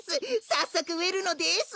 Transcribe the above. さっそくうえるのです。